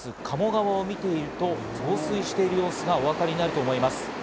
鴨川を見てみると、増水している様子がおわかりになると思います。